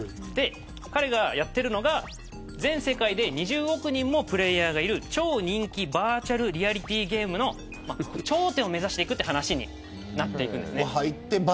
彼がやっているのが全世界で２０億人のプレーヤーがいる超人気バーチャルリアリティーゲームの頂点を目指していくという話になっています。